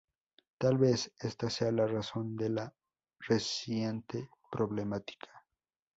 Tal vez esta sea la razón de la reciente problemática.